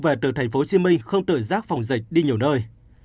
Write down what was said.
về từ tp hcm không tự giác phòng dịch đi nhiều nơi